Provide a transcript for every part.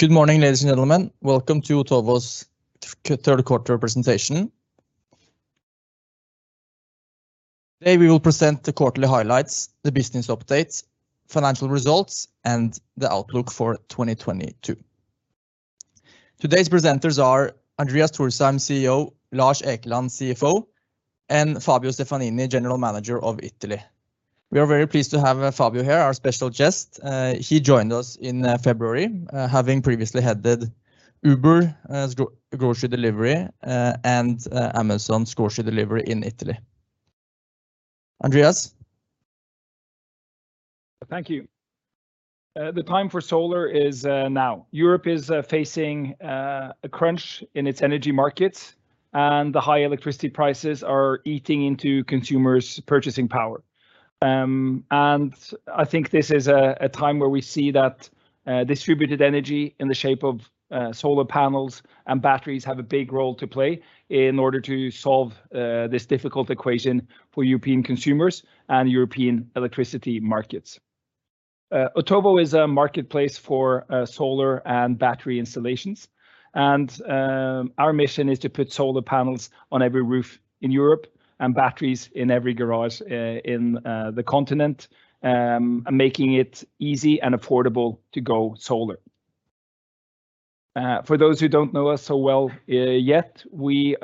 Good morning, ladies and gentlemen. Welcome to Otovo's third quarter presentation. Today we will present the quarterly highlights, the business update, financial results, and the outlook for 2022. Today's presenters are Andreas Thorsheim, CEO, Lars Ekeland, CFO, and Fabio Stefanini, General Manager of Italy. We are very pleased to have Fabio here, our special guest. He joined us in February, having previously headed Uber Eats grocery delivery and Amazon grocery delivery in Italy. Andreas. Thank you. The time for solar is now. Europe is facing a crunch in its energy markets, and the high electricity prices are eating into consumers' purchasing power. I think this is a time where we see that distributed energy in the shape of solar panels and batteries have a big role to play in order to solve this difficult equation for European consumers and European electricity markets. Otovo is a marketplace for solar and battery installations, and our mission is to put solar panels on every roof in Europe and batteries in every garage in the continent, making it easy and affordable to go solar. For those who don't know us so well yet, we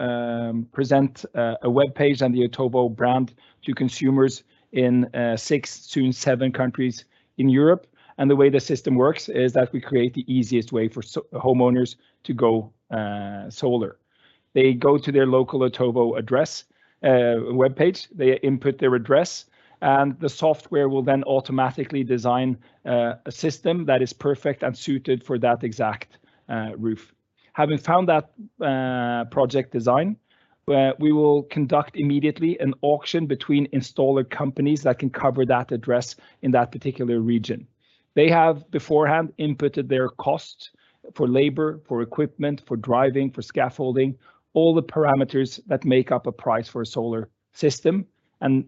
present a webpage and the Otovo brand to consumers in six, soon seven countries in Europe, and the way the system works is that we create the easiest way for homeowners to go solar. They go to their local Otovo address, webpage. They input their address, and the software will then automatically design a system that is perfect and suited for that exact roof. Having found that project design, we will conduct immediately an auction between installer companies that can cover that address in that particular region. They have beforehand inputted their cost for labor, for equipment, for driving, for scaffolding, all the parameters that make up a price for a solar system.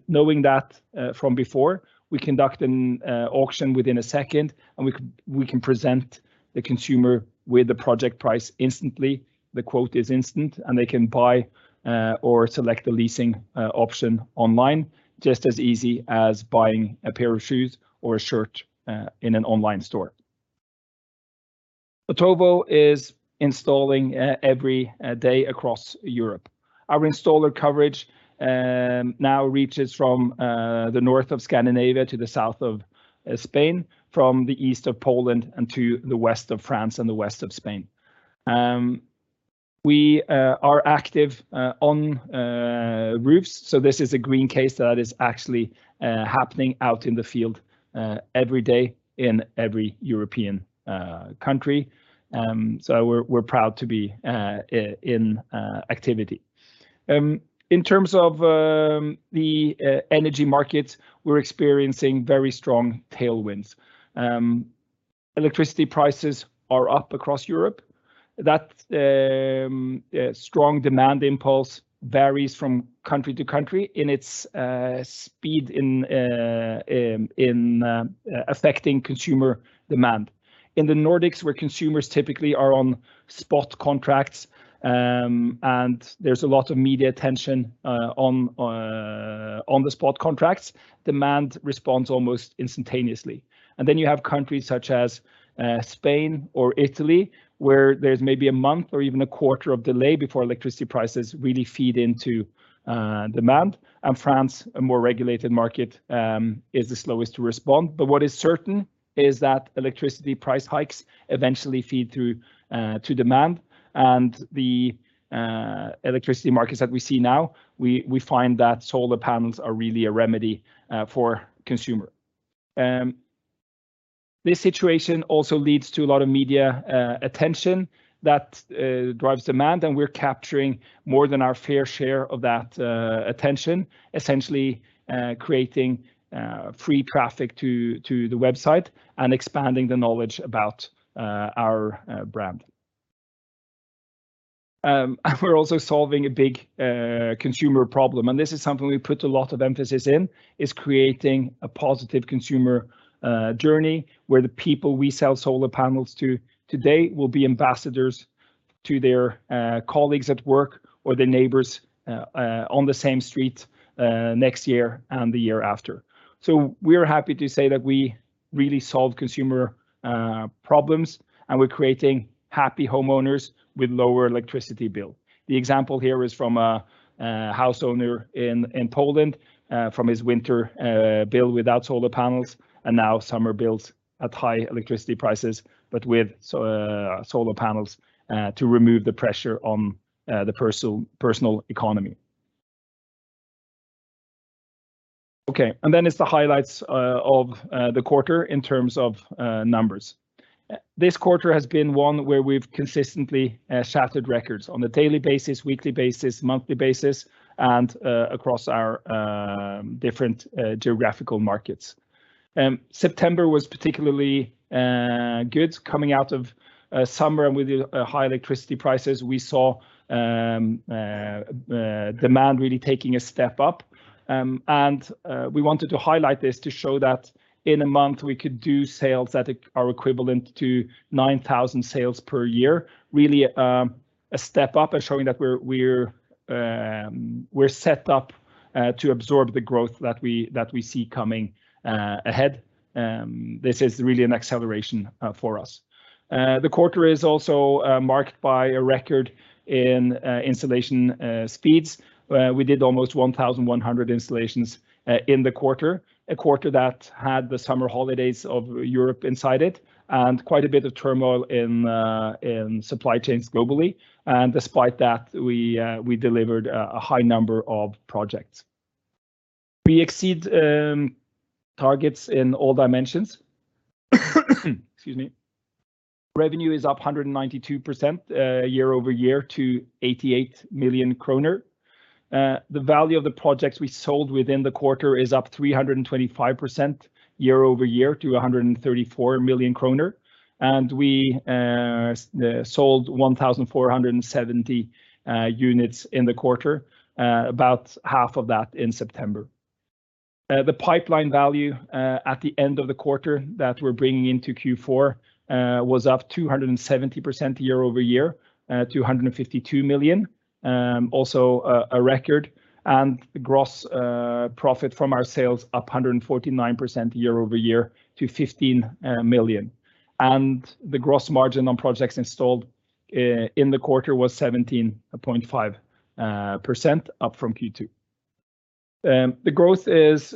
Knowing that from before, we conduct an auction within a second, and we can present the consumer with the project price instantly. The quote is instant, and they can buy or select the leasing option online, just as easy as buying a pair of shoes or a shirt in an online store. Otovo is installing every day across Europe. Our installer coverage now reaches from the north of Scandinavia to the south of Spain, from the east of Poland and to the west of France and the west of Spain. We are active on roofs, so this is a green case that is actually happening out in the field every day in every European country. We're proud to be in activity. In terms of the energy market, we're experiencing very strong tailwinds. Electricity prices are up across Europe. That strong demand impulse varies from country to country in its speed in affecting consumer demand. In the Nordics, where consumers typically are on spot contracts, and there's a lot of media attention on the spot contracts, demand responds almost instantaneously. Then you have countries such as Spain or Italy, where there's maybe a month or even a quarter of delay before electricity prices really feed into demand, and France, a more regulated market, is the slowest to respond. What is certain is that electricity price hikes eventually feed through to demand, and the electricity markets that we see now we find that solar panels are really a remedy for consumers. This situation also leads to a lot of media attention that drives demand, and we're capturing more than our fair share of that attention, essentially creating free traffic to the website and expanding the knowledge about our brand. We're also solving a big consumer problem, and this is something we put a lot of emphasis in, is creating a positive consumer journey where the people we sell solar panels to today will be ambassadors to their colleagues at work or their neighbors on the same street next year and the year after. We are happy to say that we really solve consumer problems, and we're creating happy homeowners with lower electricity bill. The example here is from a house owner in Poland, from his winter bill without solar panels, and now summer bills at high electricity prices, but with solar panels, to remove the pressure on the personal economy. It's the highlights of the quarter in terms of numbers. This quarter has been one where we've consistently shattered records on a daily basis, weekly basis, monthly basis, and across our different geographical markets. September was particularly good. Coming out of summer and with high electricity prices, we saw demand really taking a step up. We wanted to highlight this to show that in a month we could do sales that are equivalent to 9,000 sales per year, really, a step up and showing that we're set up to absorb the growth that we see coming ahead. This is really an acceleration for us. The quarter is also marked by a record in installation speeds. We did almost 1,100 installations in the quarter. A quarter that had the summer holidays of Europe inside it, and quite a bit of turmoil in supply chains globally. Despite that, we delivered a high number of projects. We exceed targets in all dimensions. Excuse me. Revenue is up 192% year-over-year to 88 million kroner. The value of the projects we sold within the quarter is up 325% year-over-year to NOK 134 million. We sold 1,470 units in the quarter, about half of that in September. The pipeline value at the end of the quarter that we're bringing into Q4 was up 270% year-over-year, NOK 252 million, also a record. The gross profit from our sales up 149% year-over-year to 15 million. The gross margin on projects installed in the quarter was 17.5%, up from Q2. The growth is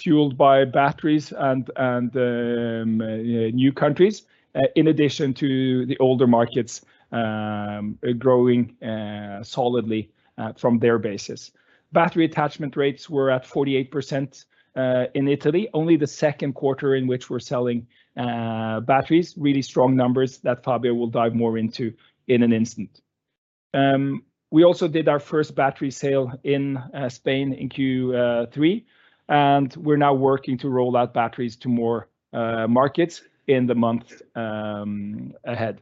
fueled by batteries and new countries in addition to the older markets growing solidly from their bases. Battery attachment rates were at 48% in Italy, only the second quarter in which we're selling batteries. Really strong numbers that Fabio will dive more into in an instant. We also did our first battery sale in Spain in Q3, and we're now working to roll out batteries to more markets in the months ahead.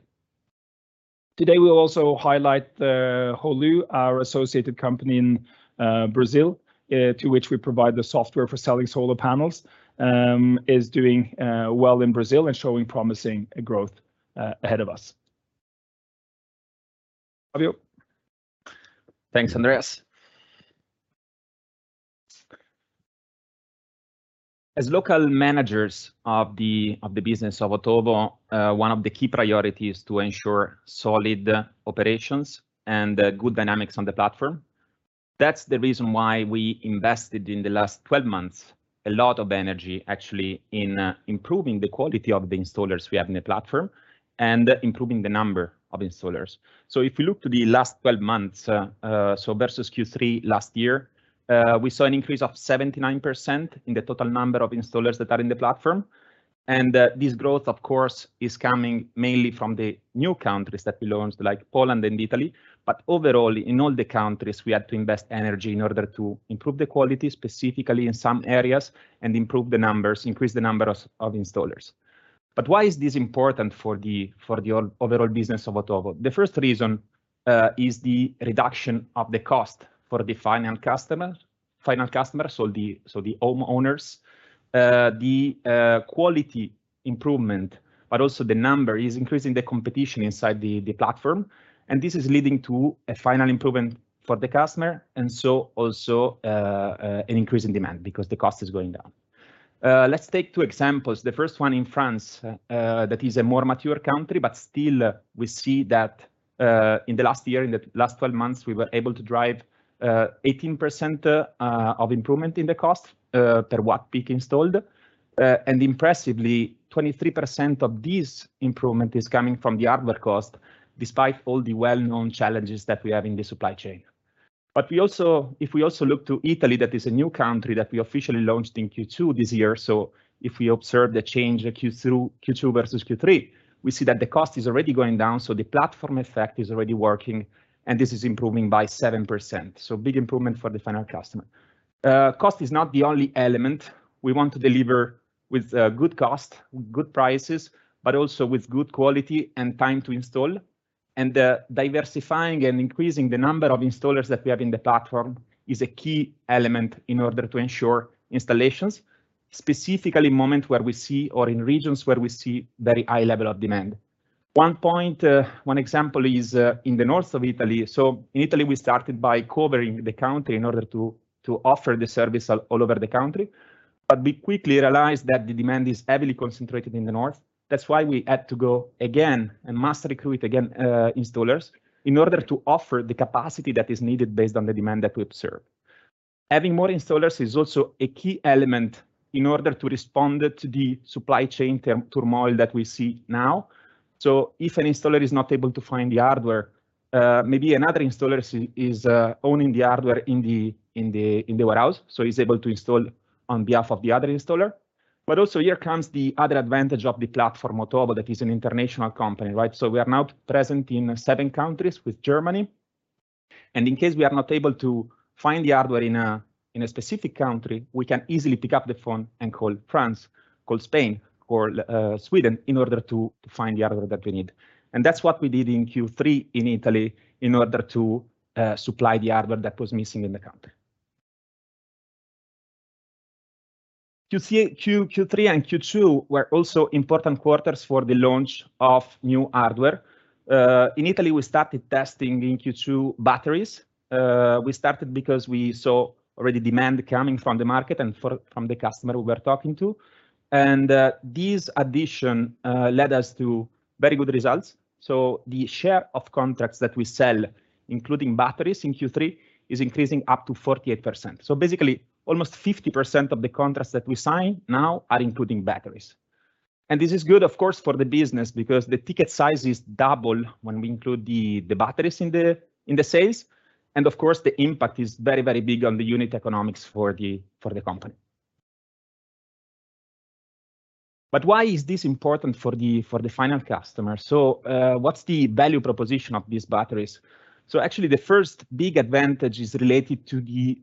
Today, we'll also highlight the Holu, our associated company in Brazil to which we provide the software for selling solar panels, is doing well in Brazil and showing promising growth ahead of us. Fabio. Thanks, Andreas. As local managers of the business of Otovo, one of the key priority is to ensure solid operations and good dynamics on the platform. That's the reason why we invested in the last 12 months a lot of energy, actually, in improving the quality of the installers we have in the platform and improving the number of installers. So if we look to the last 12 months versus Q3 last year, we saw an increase of 79% in the total number of installers that are in the platform. This growth, of course, is coming mainly from the new countries that we launched like Poland and Italy. Overall, in all the countries, we had to invest energy in order to improve the quality, specifically in some areas, and improve the numbers, increase the number of installers. Why is this important for the overall business of Otovo? The first reason is the reduction of the cost for the final customer, so the homeowners. The quality improvement, but also the number, is increasing the competition inside the platform, and this is leading to a final improvement for the customer and so also an increase in demand because the cost is going down. Let's take two examples. The first one in France, that is a more mature country, but still we see that, in the last year, in the last 12 months, we were able to drive 18% of improvement in the cost per watt peak installed. Impressively, 23% of this improvement is coming from the hardware cost, despite all the well-known challenges that we have in the supply chain. If we also look to Italy, that is a new country that we officially launched in Q2 this year. If we observe the change in Q2 versus Q3, we see that the cost is already going down, so the platform effect is already working, and this is improving by 7%, so big improvement for the final customer. Cost is not the only element. We want to deliver with good cost, good prices, but also with good quality and time to install. Diversifying and increasing the number of installers that we have in the platform is a key element in order to ensure installations, specifically in the moment where we see or in regions where we see very high levels of demand. One example is in the north of Italy. In Italy, we started by covering the country in order to offer the service all over the country. We quickly realized that the demand is heavily concentrated in the north. That's why we had to go again and mass recruit again installers in order to offer the capacity that is needed based on the demand that we observe. Having more installers is also a key element in order to respond to the supply chain turmoil that we see now. If an installer is not able to find the hardware, maybe another installer is owning the hardware in the warehouse, so he's able to install on behalf of the other installer. Also here comes the other advantage of the platform Otovo that is an international company, right? We are now present in seven countries with Germany. In case we are not able to find the hardware in a specific country, we can easily pick up the phone and call France, call Spain or Sweden in order to find the hardware that we need. That's what we did in Q3 in Italy in order to supply the hardware that was missing in the country. In Q3 and Q2 were also important quarters for the launch of new hardware. In Italy, we started testing in Q2 batteries. We started because we saw already demand coming from the market from the customer we were talking to. This addition led us to very good results. The share of contracts that we sell, including batteries in Q3, is increasing up to 48%. Basically, almost 50% of the contracts that we sign now are including batteries. This is good of course, for the business because the ticket size is double when we include the batteries in the sales. Of course, the impact is very, very big on the unit economics for the company. Why is this important for the final customer? What's the value proposition of these batteries? Actually, the first big advantage is related to the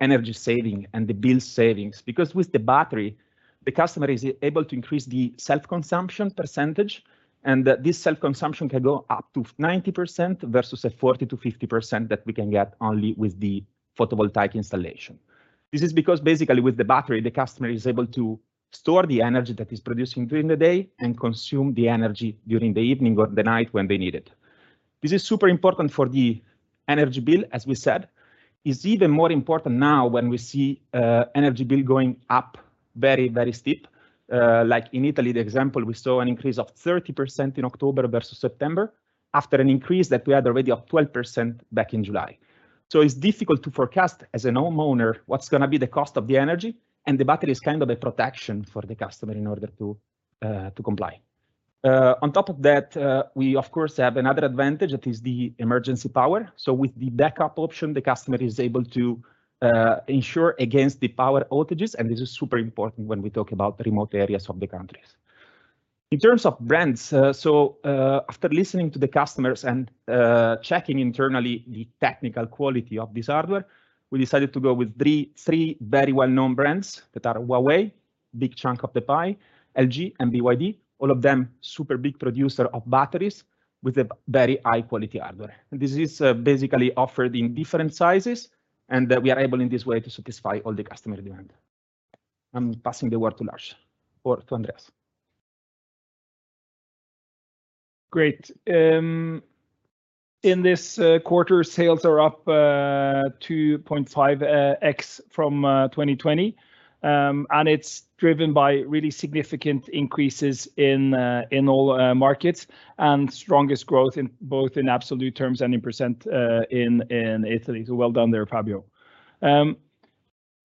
energy saving and the bill savings, because with the battery, the customer is able to increase the self-consumption %, and this self-consumption can go up to 90% versus a 40%-50% that we can get only with the photovoltaic installation. This is because basically with the battery, the customer is able to store the energy that is producing during the day and consume the energy during the evening or the night when they need it. This is super important for the energy bill, as we said. It's even more important now when we see energy bill going up very, very steep. Like in Italy, the example, we saw an increase of 30% in October versus September after an increase that we had already of 12% back in July. It's difficult to forecast as a homeowner what's gonna be the cost of the energy, and the battery is kind of a protection for the customer in order to comply. On top of that, we of course have another advantage that is the emergency power. With the backup option, the customer is able to insure against the power outages, and this is super important when we talk about remote areas of the countries. In terms of brands, after listening to the customers and checking internally the technical quality of this hardware, we decided to go with three very well-known brands that are Huawei, big chunk of the pie, LG, and BYD. All of them super big producer of batteries with a very high quality hardware. This is basically offered in different sizes and that we are able in this way to satisfy all the customer demand. I'm passing the word to Lars or to Andreas. Great. In this quarter, sales are up 2.5x from 2020. It's driven by really significant increases in all markets and strongest growth in both absolute terms and in percent in Italy. Well done there, Fabio.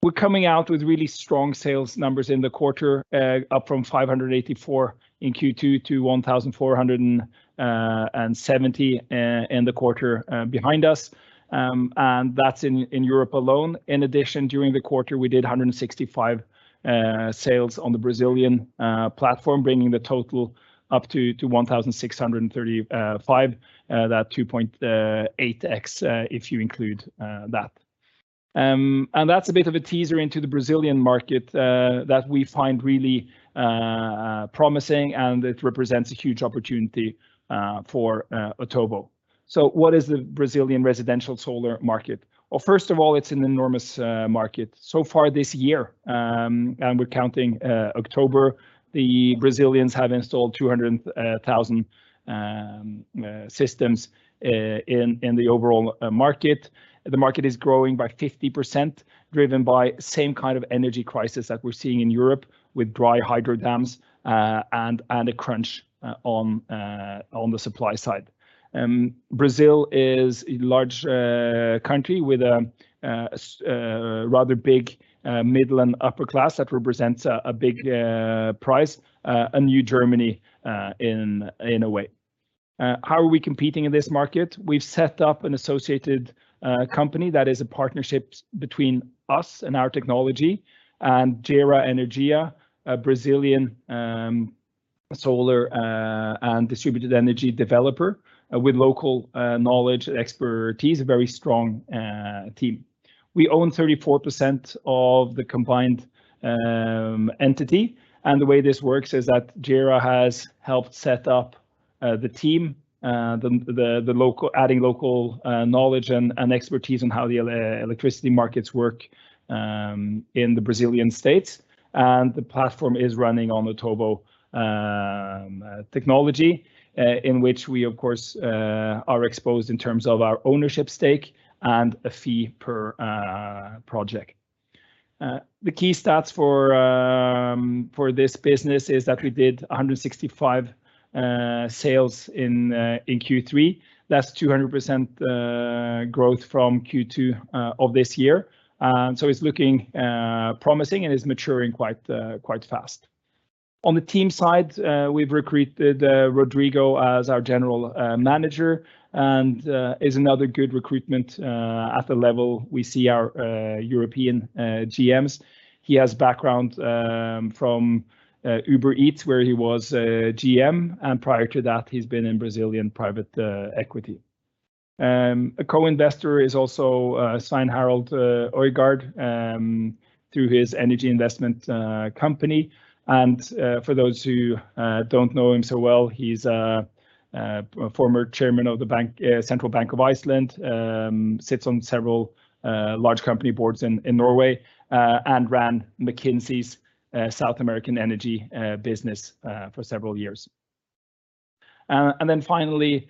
We're coming out with really strong sales numbers in the quarter, up from 584 in Q2 to 1,470 in the quarter behind us. That's in Europe alone. In addition, during the quarter, we did 165 sales on the Brazilian platform, bringing the total up to 1,635, that's 2.8x if you include that. That's a bit of a teaser into the Brazilian market that we find really promising, and it represents a huge opportunity for Otovo. What is the Brazilian residential solar market? First of all, it's an enormous market. So far this year, and we're counting October, the Brazilians have installed 200,000 systems in the overall market. The market is growing by 50%, driven by the same kind of energy crisis that we're seeing in Europe with dry hydro dams and a crunch on the supply side. Brazil is a large country with rather big middle and upper class that represents a big prize, a new Germany, in a way. How are we competing in this market? We've set up an associated company that is a partnership between us and our technology and Gera Energia, a Brazilian solar and distributed energy developer with local knowledge expertise, a very strong team. We own 34% of the combined entity, and the way this works is that Gera has helped set up the team, adding local knowledge and expertise on how the electricity markets work in the Brazilian states. The platform is running on Otovo technology in which we of course are exposed in terms of our ownership stake and a fee per project. The key stats for this business is that we did 165 sales in Q3. That's 200% growth from Q2 of this year. It's looking promising and is maturing quite fast. On the team side, we've recruited Rodrigo as our general manager and is another good recruitment at the level we see our European GMs. He has background from Uber Eats, where he was a GM, and prior to that, he's been in Brazilian private equity. A co-investor is also Svein Harald Øygard through his energy investment company. For those who don't know him so well, he's a former chairman of the bank, Central Bank of Iceland, sits on several large company boards in Norway, and ran McKinsey's South American energy business for several years. The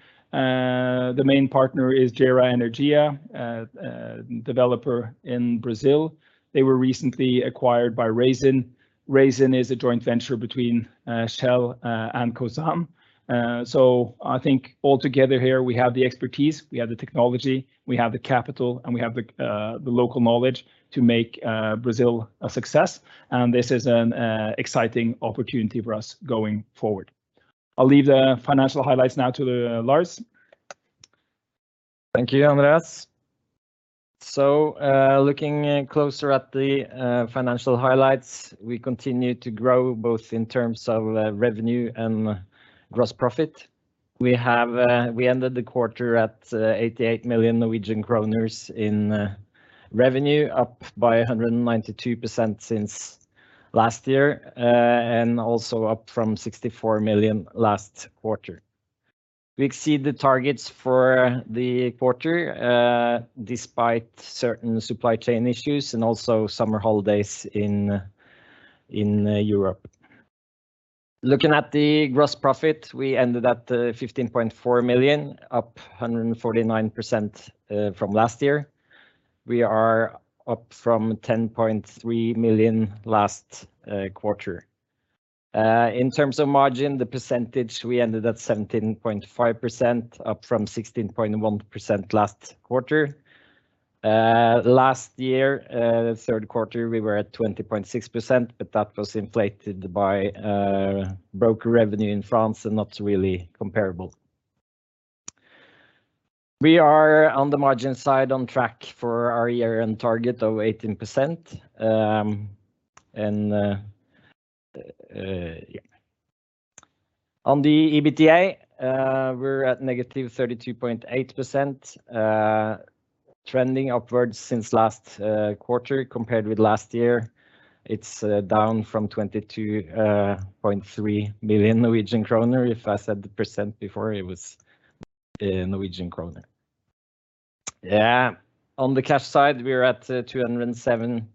main partner is Gera Energia, a developer in Brazil. They were recently acquired by Raízen. Raízen is a joint venture between Shell and Cosan. I think altogether here we have the expertise, we have the technology, we have the capital, and we have the local knowledge to make Brazil a success, and this is an exciting opportunity for us going forward. I'll leave the financial highlights now to Lars. Thank you, Andreas. Looking closer at the financial highlights. We continue to grow both in terms of revenue and gross profit. We ended the quarter at 88 million Norwegian kroner in revenue, up by 192% since last year, and also up from 64 million last quarter. We exceed the targets for the quarter despite certain supply chain issues and also summer holidays in Europe. Looking at the gross profit, we ended at 15.4 million, up 149% from last year. We are up from 10.3 million last quarter. In terms of margin, the %, we ended at 17.5%, up from 16.1% last quarter. Last year, the third quarter, we were at 20.6%, but that was inflated by broker revenue in France and not really comparable. We are, on the margin side, on track for our year-end target of 18%. On the EBITDA, we're at negative 32.8%, trending upwards since last quarter. Compared with last year, it's down from 22.3 million Norwegian kroner. If I said the percent before, it was in Norwegian kroner. On the cash side, we are at 207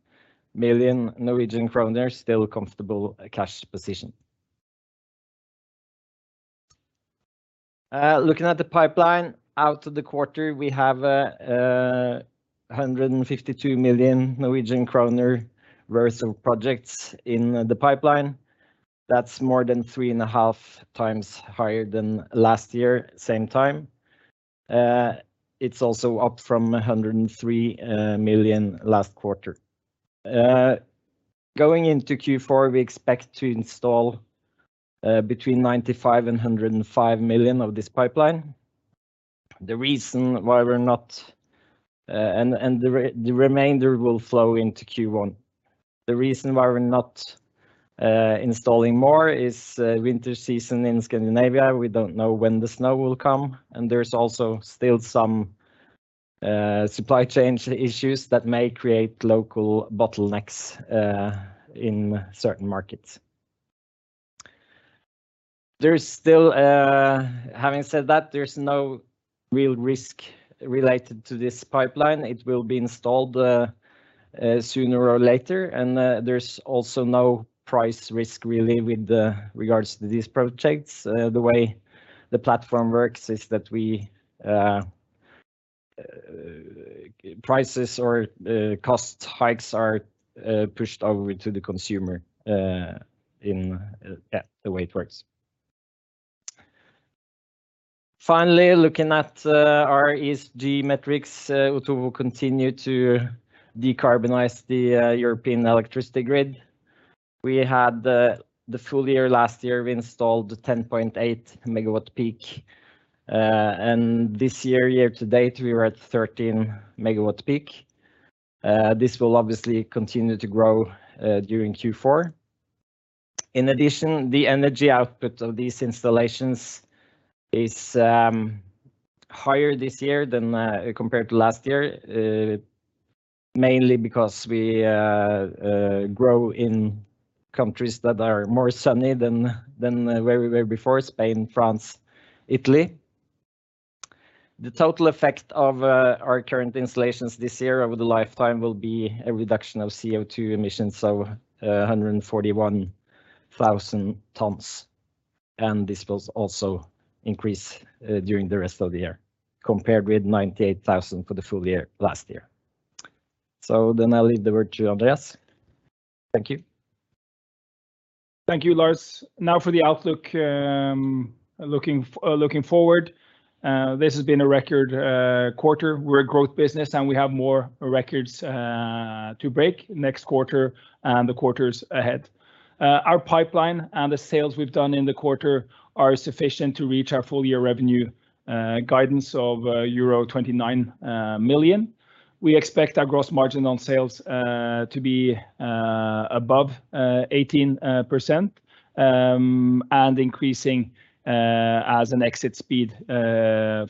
million Norwegian kroner. Still comfortable cash position. Looking at the pipeline, out of the quarter, we have 152 million Norwegian kroner worth of projects in the pipeline. That's more than 3.5 times higher than last year same time. It's also up from 103 million last quarter. Going into Q4, we expect to install between 95 million and 105 million of this pipeline. The reason why we're not The remainder will flow into Q1. The reason why we're not installing more is winter season in Scandinavia. We don't know when the snow will come, and there's also still some supply chain issues that may create local bottlenecks in certain markets. Having said that, there's no real risk related to this pipeline. It will be installed sooner or later, and there's also no price risk really with the regards to these projects. The way the platform works is that prices or cost hikes are pushed over to the consumer in yeah, the way it works. Finally, looking at our ESG metrics, Otovo continue to decarbonize the European electricity grid. We had the full year last year, we installed 10.8 megawatt peak, and this year to date, we were at 13 megawatt peak. This will obviously continue to grow during Q4. In addition, the energy output of these installations is higher this year than compared to last year, mainly because we grow in countries that are more sunny than where we were before, Spain, France, Italy. The total effect of our current installations this year over the lifetime will be a reduction of CO2 emissions, 141,000 tons, and this will also increase during the rest of the year compared with 98,000 for the full year last year. I'll leave the word to Andreas. Thank you. Thank you, Lars. Now for the outlook, looking forward, this has been a record quarter. We're a growth business, and we have more records to break next quarter and the quarters ahead. Our pipeline and the sales we've done in the quarter are sufficient to reach our full year revenue guidance of euro 29 million. We expect our gross margin on sales to be above 18%, and increasing as an exit rate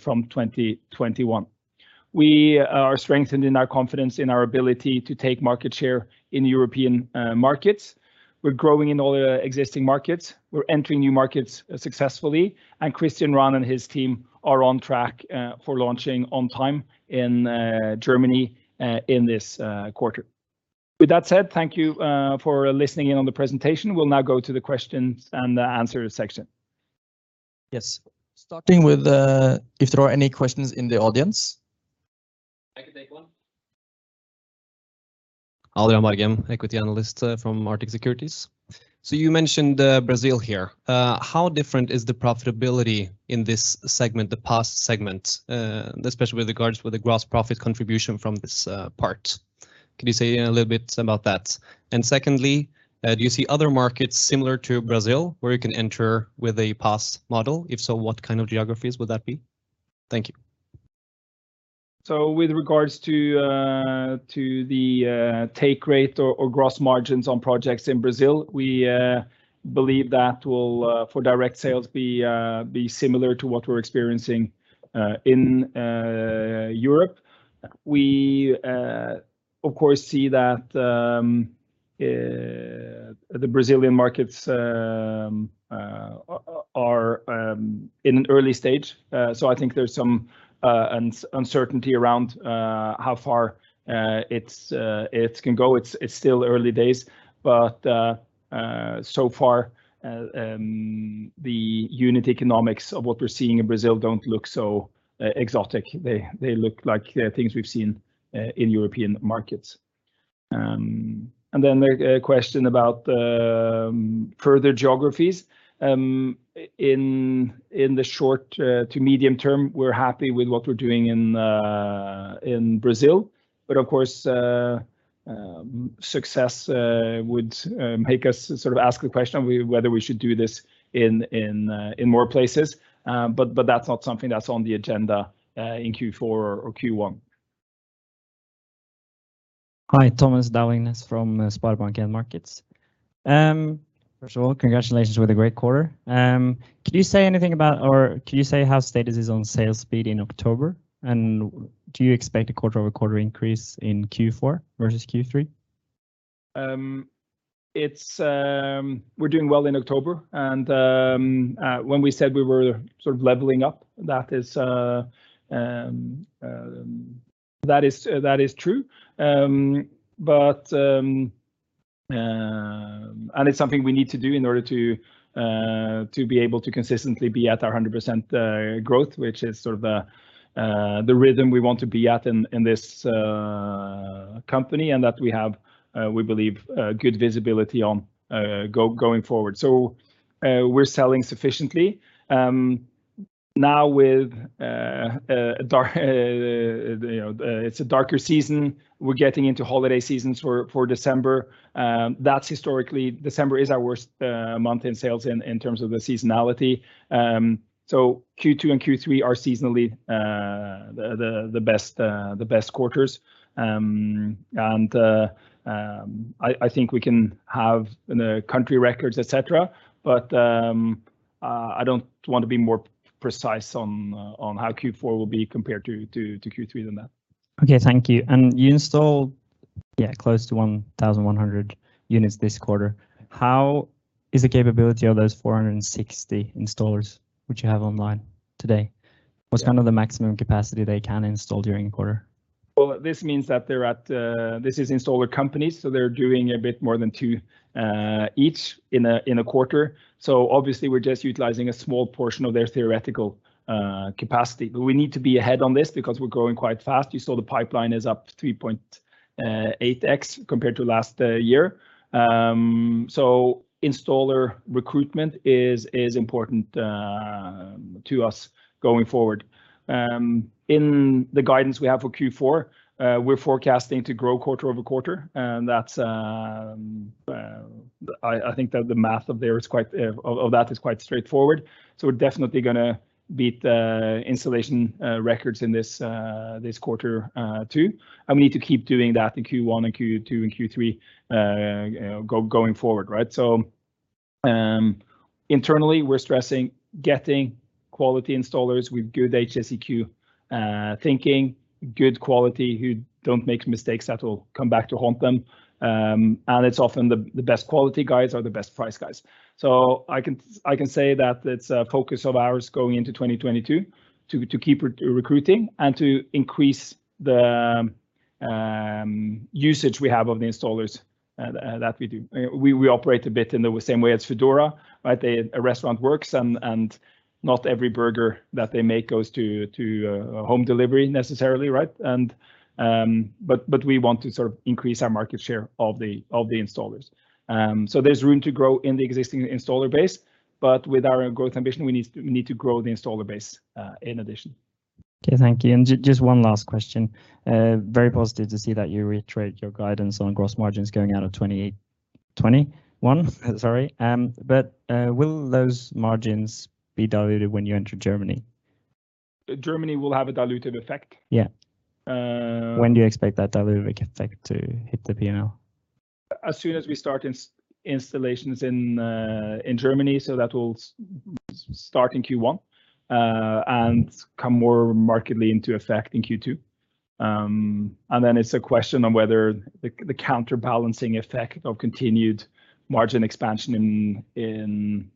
from 2021. We are strengthened in our confidence in our ability to take market share in European markets. We're growing in all the existing markets. We're entering new markets successfully, and Christian Rahn and his team are on track for launching on time in Germany in this quarter. With that said, thank you for listening in on the presentation. We'll now go to the questions and the answer section. Yes. If there are any questions in the audience. I can take one. Adrian Borgan, Equity Analyst, from Arctic Securities. You mentioned Brazil here. How different is the profitability in this segment, the PaaS segment, especially with regards with the gross profit contribution from this part? Can you say a little bit about that? And secondly, do you see other markets similar to Brazil where you can enter with a PaaS model? If so, what kind of geographies would that be? Thank you. With regard to the take rate or gross margins on projects in Brazil, we believe that will for direct sales be similar to what we're experiencing in Europe. We of course see that the Brazilian markets are in an early stage. I think there's some uncertainty around how far it can go. It's still early days but so far the unit economics of what we're seeing in Brazil don't look so exotic. They look like things we've seen in European markets. The question about the further geographies. In the short to medium term, we're happy with what we're doing in Brazil but of course, success would make us sort of ask the question whether we should do this in more places. That's not something that's on the agenda in Q4 or Q1. Hi. Thomas Dowling Næss from SpareBank 1 Markets. First of all, congratulations with a great quarter. Could you say how status is on sales speed in October? Do you expect a quarter-over-quarter increase in Q4 versus Q3? It's. We're doing well in October and when we said we were sort of leveling up, that is true. It's something we need to do in order to be able to consistently be at 100% growth, which is sort of the rhythm we want to be at in this company, and that we believe we have good visibility on going forward. We're selling sufficiently. Now, you know, it's a darker season. We're getting into holiday seasons for December. Historically, December is our worst month in sales in terms of the seasonality. Q2 and Q3 are seasonally the best quarters. I think we can have the country records, et cetera, but I don't want to be more precise on how Q4 will be compared to Q3 than that. Okay. Thank you. You installed, yeah, close to 1,100 units this quarter. How is the capability of those 460 installers which you have online today? What's kind of the maximum capacity they can install during a quarter? Well, this means that they're at. This is installer companies, so they're doing a bit more than 2 each in a quarter. Obviously we're just utilizing a small portion of their theoretical capacity. We need to be ahead on this because we're growing quite fast. You saw the pipeline is up 3.8x compared to last year. Installer recruitment is important to us going forward. In the guidance we have for Q4, we're forecasting to grow quarter-over-quarter, and that's—I think the math of that is quite straightforward. We're definitely gonna beat the installation records in this quarter too. We need to keep doing that in Q1 and Q2 and Q3 going forward. Right? Internally, we're stressing getting quality installers with good HSEQ thinking. Good quality who don't make mistakes that will come back to haunt them. It's often the best quality guys are the best price guys. I can say that it's a focus of ours going into 2022 to keep recruiting and to increase the usage we have of the installers that we do. We operate a bit in the same way as Foodora, right? They. A restaurant works and not every burger that they make goes to home delivery necessarily, right? But we want to sort of increase our market share of the installers. There's room to grow in the existing installer base. With our growth ambition, we need to grow the installer base, in addition. Okay. Thank you. Just one last question. Very positive to see that you reiterate your guidance on gross margins going out of 28% in 2021, sorry. Will those margins be diluted when you enter Germany? Germany will have a dilutive effect. Yeah. Uh- When do you expect that dilutive effect to hit the P&L? As soon as we start installations in Germany, that will start in Q1 and come more markedly into effect in Q2. Then it's a question on whether the counterbalancing effect of continued margin expansion in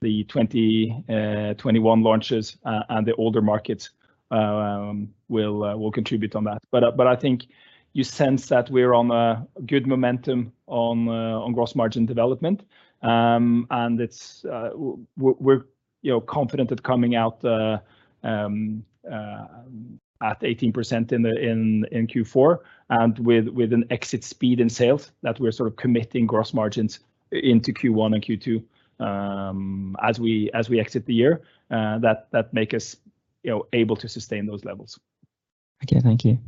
the 2021 launches and the older markets will contribute to that. I think you sense that we're on a good momentum in gross margin development. It's that we're, you know, confident of coming out at 18% in Q4 and with an exit speed in sales that we're sort of committing gross margins into Q1 and Q2 as we exit the year. That make us, you know, able to sustain those levels. Okay, thank you.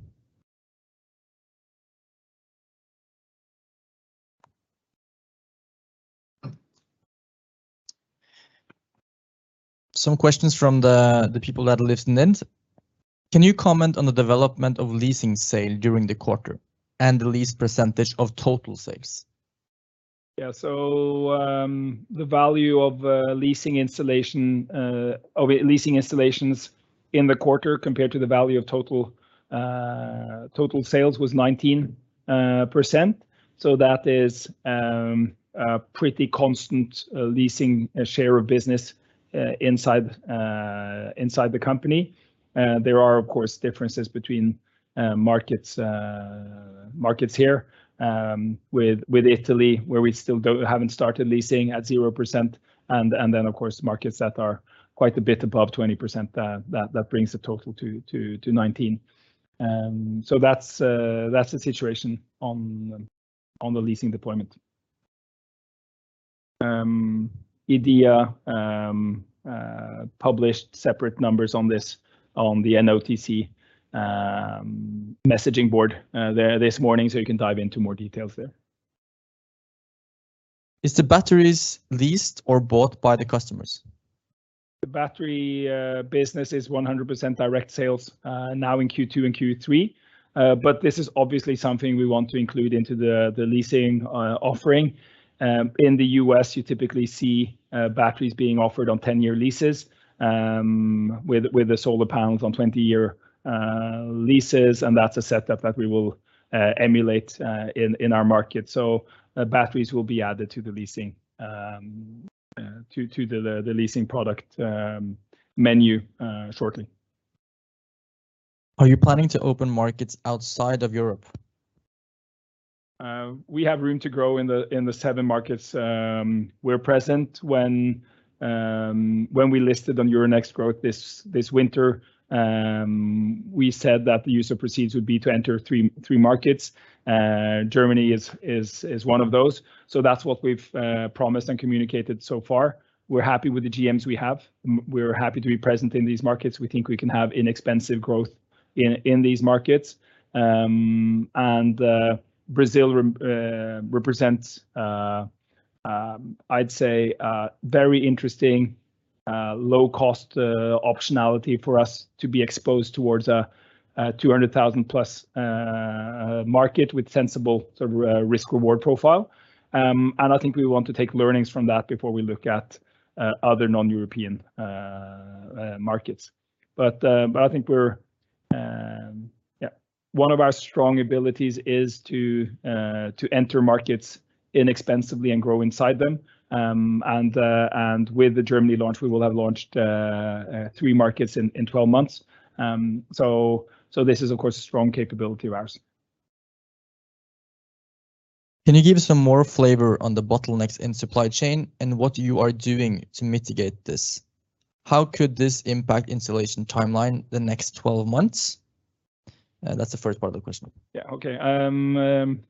Some questions from the people that listened in. Can you comment on the development of leasing sale during the quarter, and the lease % of total sales? Yeah. The value of leasing installation or leasing installations in the quarter compared to the value of total sales was 19%. That is a pretty constant leasing share of business inside the company. There are of course differences between markets here with Italy, where we still haven't started leasing at 0%, and then of course markets that are quite a bit above 20% that brings the total to 19%. That's the situation on the leasing deployment. Otovo published separate numbers on this, on the NOTC messaging board there this morning, so you can dive into more details there. Is the batteries leased or bought by the customers? The battery business is 100% direct sales now in Q2 and Q3. This is obviously something we want to include into the leasing offering. In the U.S. you typically see batteries being offered on 10-year leases with the solar panels on 20-year leases, and that's a setup that we will emulate in our market. Batteries will be added to the leasing product menu shortly. Are you planning to open markets outside of Europe? We have room to grow in the seven markets we're present. When we listed on Euronext Growth this winter, we said that the use of proceeds would be to enter three markets. Germany is one of those. That's what we've promised and communicated so far. We're happy with the GMs we have. We're happy to be present in these markets. We think we can have inexpensive growth in these markets. Brazil represents, I'd say, a very interesting low-cost optionality for us to be exposed towards a 200,000+ market with sensible sort of risk reward profile. I think we want to take learnings from that before we look at other non-European markets. I think one of our strong abilities is to enter markets inexpensively and grow inside them. With the Germany launch, we will have launched three markets in 12 months. This is of course a strong capability of ours. Can you give some more flavor on the bottlenecks in supply chain and what you are doing to mitigate this? How could this impact installation timeline the next 12 months? That's the first part of the question. Yeah. Okay.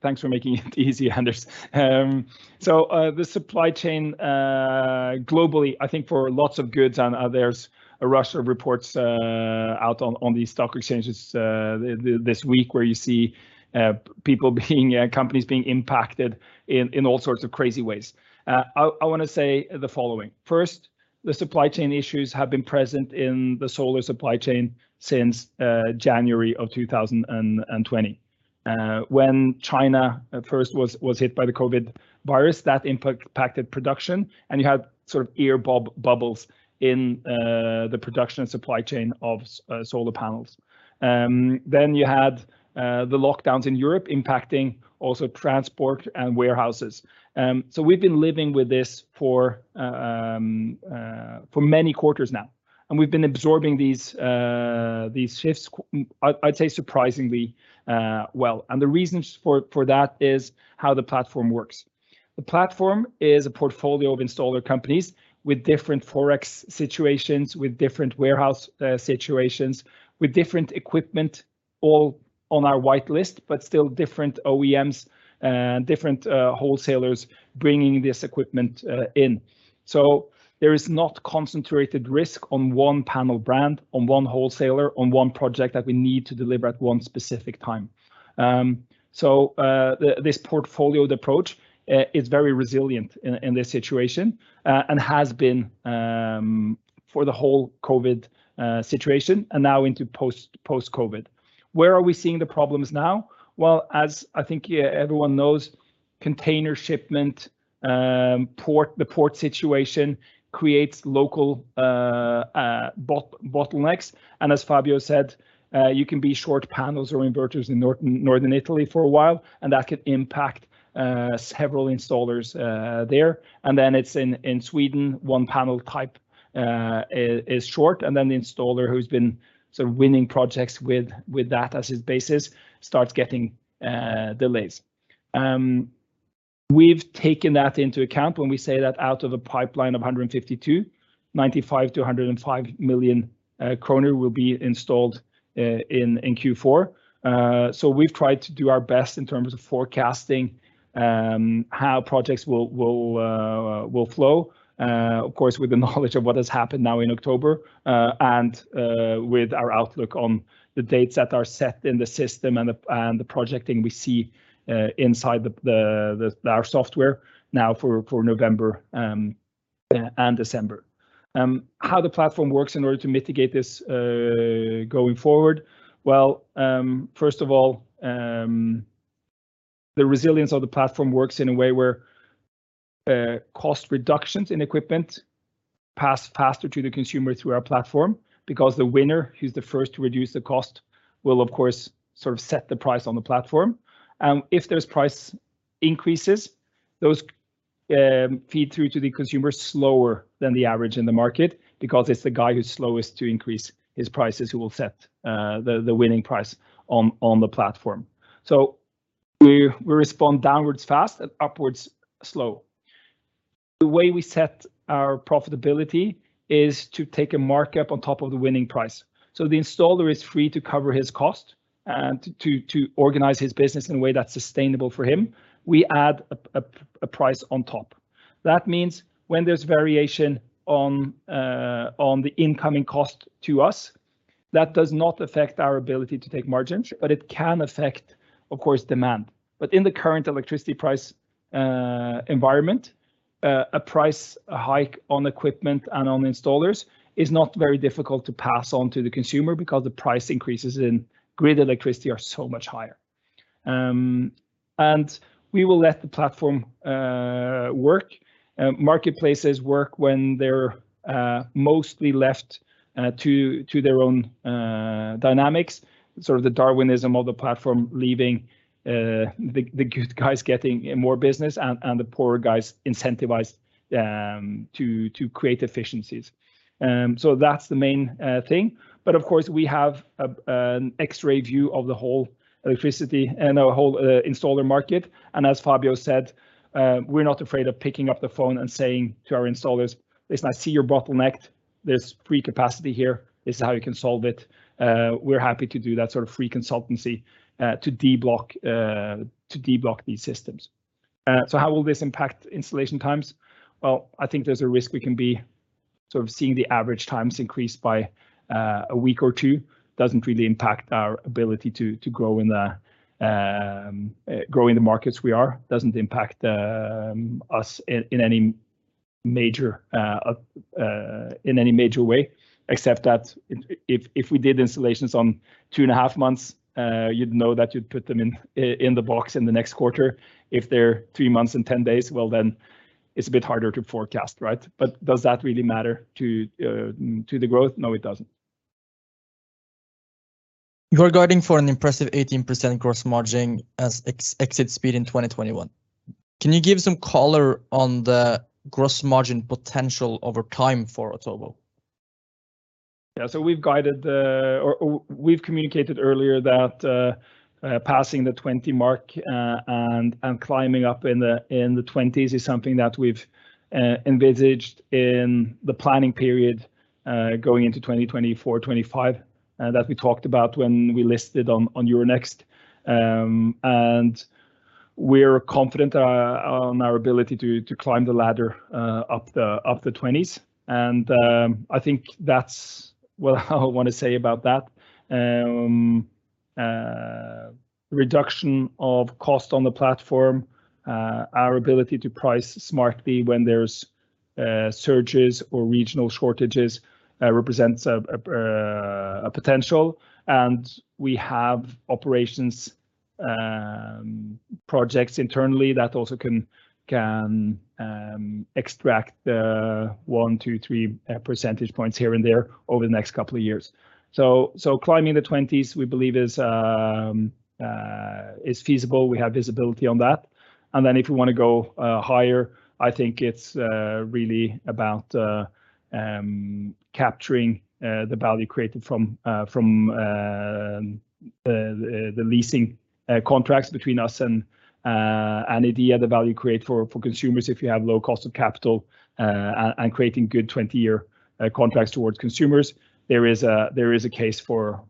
Thanks for making it easy, Anders. The supply chain globally, I think for lots of goods, and there's a rush of reports out on the stock exchanges this week, where you see companies being impacted in all sorts of crazy ways. I wanna say the following. First, the supply chain issues have been present in the solar supply chain since January of 2020. When China at first was hit by the COVID virus, that impacted production, and you had sort of air bubbles in the production and supply chain of solar panels. You had the lockdowns in Europe impacting also transport and warehouses. We've been living with this for many quarters now, and we've been absorbing these shifts. I'd say surprisingly well. The reasons for that is how the platform works. The platform is a portfolio of installer companies with different forex situations, with different warehouse situations, with different equipment, all on our white list, but still different OEMs and different wholesalers bringing this equipment in. There is not concentrated risk on one panel brand, on one wholesaler, on one project that we need to deliver at one specific time. This portfolio approach is very resilient in this situation, and has been for the whole COVID situation and now into post-COVID. Where are we seeing the problems now? Well, as I think, yeah, everyone knows, container shipment port, the port situation creates local bottlenecks. As Fabio said, you can be short panels or inverters in Northern Italy for a while, and that could impact several installers there. It's in Sweden, one panel type is short, and then the installer who's been sort of winning projects with that as his basis starts getting delays. We've taken that into account when we say that out of a pipeline of 152, 95 million-105 million kroner will be installed in Q4. We've tried to do our best in terms of forecasting how projects will flow, of course, with the knowledge of what has happened now in October, and with our outlook on the dates that are set in the system and the projecting we see inside our software now for November and December. How the platform works in order to mitigate this going forward, first of all, the resilience of the platform works in a way where cost reductions in equipment pass faster to the consumer through our platform because the winner who's the first to reduce the cost will of course sort of set the price on the platform. If there's price increases, those feed through to the consumer slower than the average in the market because it's the guy who's slowest to increase his prices who will set the winning price on the platform. We respond downwards fast and upwards slow. The way we set our profitability is to take a markup on top of the winning price. The installer is free to cover his cost and to organize his business in a way that's sustainable for him. We add a price on top. That means when there's variation on the incoming cost to us, that does not affect our ability to take margins, but it can affect, of course, demand. In the current electricity price environment, a price hike on equipment and on installers is not very difficult to pass on to the consumer because the price increases in grid electricity are so much higher. We will let the platform work. Marketplaces work when they're mostly left to their own dynamics, sort of the Darwinism of the platform, leaving the good guys getting more business and the poorer guys incentivized to create efficiencies. That's the main thing. Of course, we have a X-ray view of the whole ecosystem and our whole installer market. As Fabio said, we're not afraid of picking up the phone and saying to our installers, "Listen, I see you're bottlenecked. There's free capacity here. This is how you can solve it." We're happy to do that sort of free consultancy to de-block these systems. How will this impact installation times? Well, I think there's a risk we can be sort of seeing the average times increase by a week or two. Doesn't really impact our ability to grow in the markets we are. Doesn't impact us in any major way, except that if we did installations on two and a half months, you'd know that you'd put them in the box in the next quarter. If they're three months and 10 days, well, then it's a bit harder to forecast, right? Does that really matter to the growth? No, it doesn't. You're guiding for an impressive 18% gross margin as expected in 2021. Can you give some color on the gross margin potential over time for Otovo? We've communicated earlier that passing the 20 mark and climbing up in the twenties is something that we've envisaged in the planning period going into 2024, 2025, that we talked about when we listed on Euronext. We're confident on our ability to climb the ladder up the twenties. I think that's what I want to say about that. Reduction of cost on the platform, our ability to price smartly when there's surges or regional shortages, represents a potential. We have operations projects internally that also can extract the 1, 2, 3 percentage points here and there over the next couple of years. Climbing the 20s we believe is feasible. We have visibility on that. If we wanna go higher, I think it's really about capturing the value created from the leasing contracts between us and the value created for consumers if you have low cost of capital, and creating good 20-year contracts towards consumers. There is a case for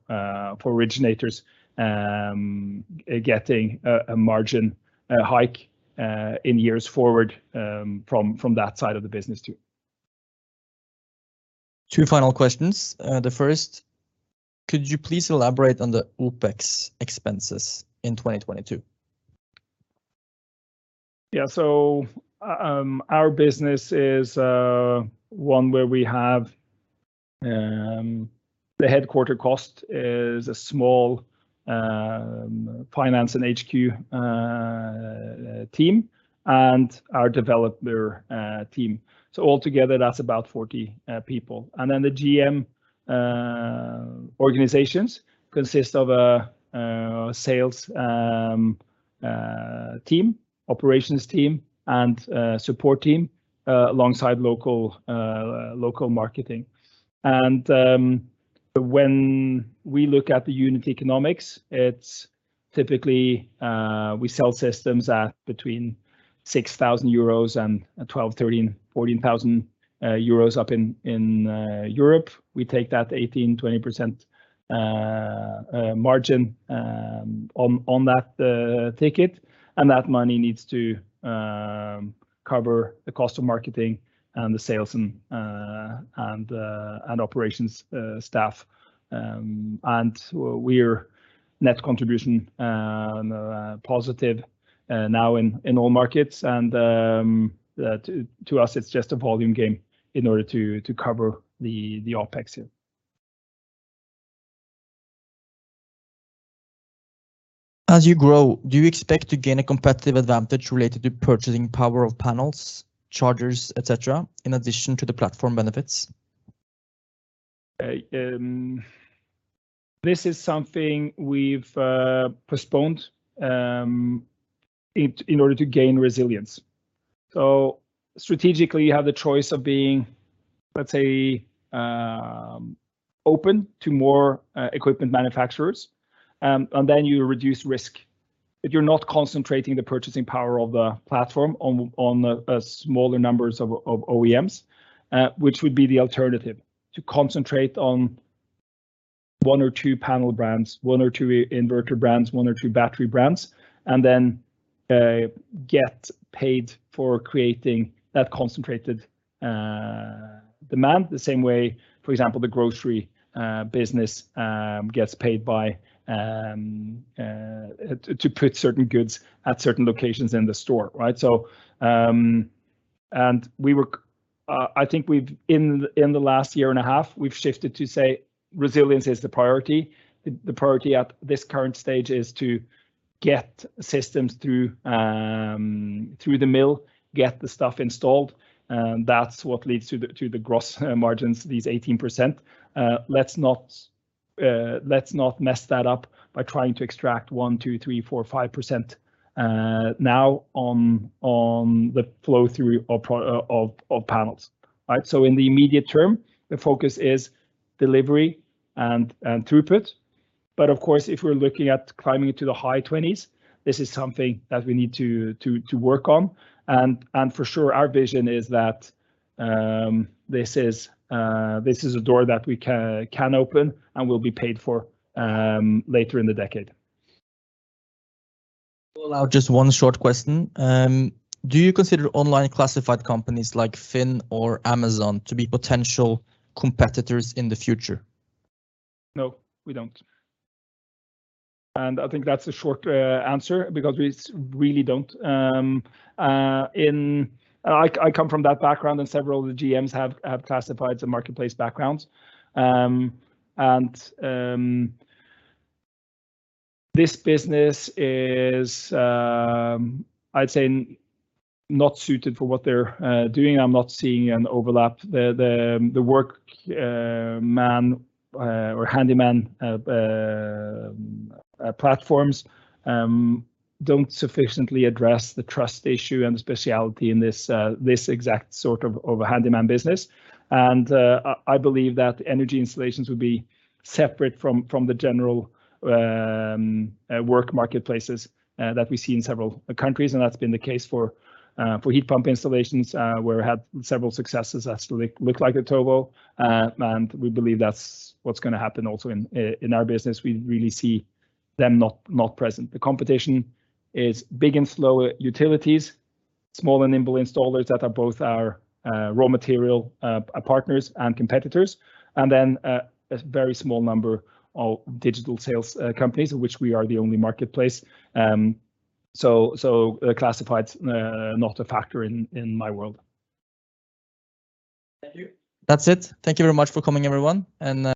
originators getting a margin hike in years forward from that side of the business too. Two final questions. The first, could you please elaborate on the OpEx expenses in 2022? Yeah. Our business is one where we have the headquarters cost is a small finance and HQ team and our developer team. Altogether that's about 40 people. The GM organizations consist of a sales team, operations team, and a support team alongside local marketing. When we look at the unit economics, it's typically we sell systems at between 6,000 euros and 12,000-14,000 euros up in Europe. We take that 18%-20% margin on that ticket. That money needs to cover the cost of marketing and the sales and operations staff. We're net contribution positive now in all markets, and to us it's just a volume game in order to cover the OpEx here. As you grow, do you expect to gain a competitive advantage related to purchasing power of panels, chargers, et cetera, in addition to the platform benefits? This is something we've postponed in order to gain resilience. Strategically you have the choice of being, let's say, open to more equipment manufacturers. You reduce risk if you're not concentrating the purchasing power of the platform on a smaller number of OEMs, which would be the alternative. To concentrate on one or two panel brands, one or two inverter brands, one or two battery brands, and then get paid for creating that concentrated demand. The same way, for example, the grocery business gets paid by to put certain goods at certain locations in the store, right? I think we've, in the last year and a half, shifted to say resilience is the priority. The priority at this current stage is to get systems through the mill. Get the stuff installed. That's what leads to the gross margins, these 18%. Let's not mess that up by trying to extract 1, 2, 3, 4, 5% now on the flow through of panels, right? In the immediate term, the focus is delivery and throughput. But of course, if we're looking at climbing to the high 20s, this is something that we need to work on. For sure our vision is that this is a door that we can open and will be paid for later in the decade. Well, now just one short question. Do you consider online classified companies like FINN.no or Amazon to be potential competitors in the future? No, we don't. I think that's a short answer, because we really don't. I come from that background and several of the GMs have classic marketplace backgrounds. This business is, I'd say, not suited for what they're doing. I'm not seeing an overlap. The workman or handyman platforms don't sufficiently address the trust issue and the specialty in this exact sort of handyman business. I believe that energy installations would be separate from the general work marketplaces that we see in several countries, and that's been the case for heat pump installations, where it had several successes such as Otovo. We believe that's what's gonna happen also in our business. We really see them not present. The competition is big and slow utilities, small and nimble installers that are both our raw material partners and competitors. Then, a very small number of digital sales companies of which we are the only marketplace. So, classifieds not a factor in my world. Thank you. That's it. Thank you very much for coming, everyone.